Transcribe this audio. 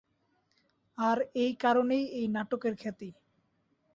আর এই কারণেই এই নাটকের খ্যাতি।